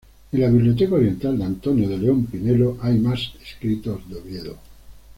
En la "Biblioteca oriental" de Antonio de León Pinelo hay más escritos de Oviedo.